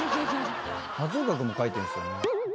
松岡君も描いてんすよね。